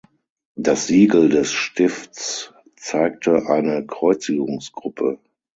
Das Siegel des Stifts zeigte eine Kreuzigungsgruppe.